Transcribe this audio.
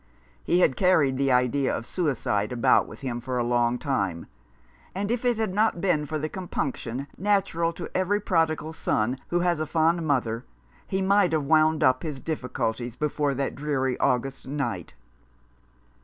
23 Rough Justice. He had carried the idea of suicide about with him for a long time ; and if it had not been for the compunction natural to every prodigal son who has a fond mother, he might have wound up his difficulties before that dreary August night.